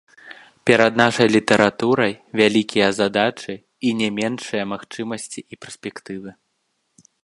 Перад нашай літаратурай вялікія задачы і не меншыя магчымасці і перспектывы.